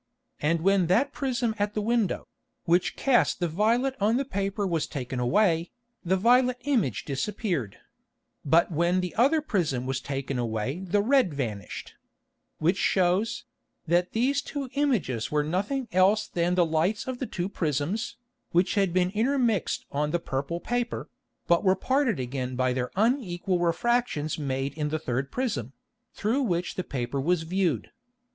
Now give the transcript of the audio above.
And when that Prism at the Window, which cast the violet on the Paper was taken away, the violet Image disappeared; but when the other Prism was taken away the red vanished; which shews, that these two Images were nothing else than the Lights of the two Prisms, which had been intermixed on the purple Paper, but were parted again by their unequal Refractions made in the third Prism, through which the Paper was view'd.